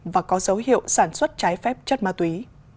và có dấu hiệu sản xuất trái phép chất ma túy